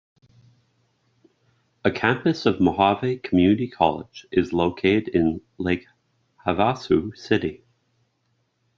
A campus of Mohave Community College is located in Lake Havasu City.